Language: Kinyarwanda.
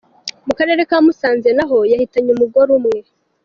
Mu karere ka Musanze, naho yahitanye umugore umwe.